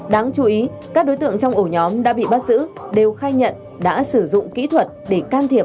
đáng chú ý các đối tượng trong ổ nhóm đã bị bắt giữ đều khai nhận đã sử dụng kỹ thuật để can thiệp